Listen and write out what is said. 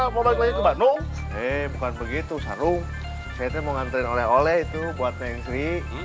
kembali ke bandung eh bukan begitu salung saya mau ngantri oleh oleh itu buat neng sri